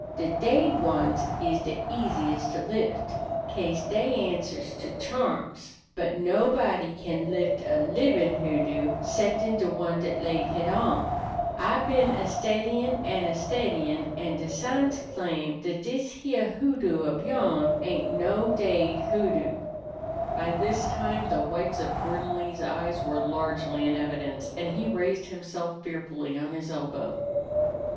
De daid ones is de easiest to lift, 'ca'se dey answers to charms; but nobody can lift a libin' hoodoo 'ceptin' de one dat laid hit on. I been a steddyin' an' a steddyin', an' de signs claim dat dis heah hoodoo ob yourn ain't no daid hoodoo." By this time the whites of Gordon Lee's eyes were largely in evidence, and he raised himself fearfully on his elbow.